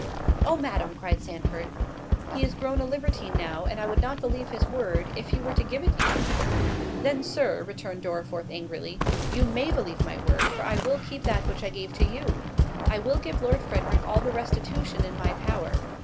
"Oh, Madam," cried Sandford, "he is grown a libertine now, and I would not believe his word, if he were to give it you." "Then, Sir," returned Dorriforth angrily, "you may believe my word, for I will keep that which I gave to you. I will give Lord Frederick all the restitution in my power.